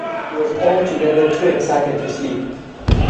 He was altogether too excited to sleep.